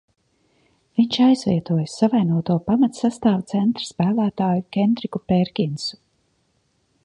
Viņš aizvietoja savainoto pamatsastāva centra spēlētāju Kendriku Pērkinsu.